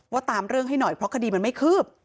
ตามเรื่องให้หน่อยเพราะคดีมันไม่คืบ